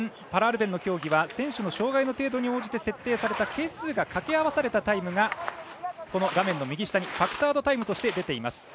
パラアルペンのルールは選手の障がいに応じて設定された係数が掛け合わされたタイムが画面右下にファクタードタイムとして出ています。